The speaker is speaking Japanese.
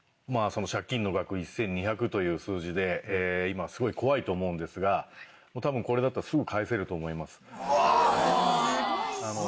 借金の額１２００という数字で今すごい怖いと思うんですが多分これだったら。と思います。